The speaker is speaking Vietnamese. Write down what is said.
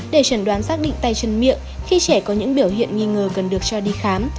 để chuẩn đoán xác định tay chân miệng khi trẻ có những biểu hiện nghi ngờ cần được cho đi khám